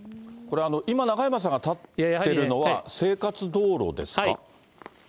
これは今、中山さんが立っているのは、生活道路ですか。